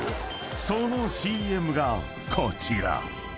［そのＣＭがこちら］